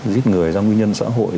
giết người do nguyên nhân xã hội